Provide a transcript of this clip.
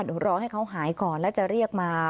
รอให้เขาหายก่อนแล้วจะเรียกมา